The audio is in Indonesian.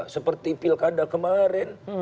seperti pilkada kemarin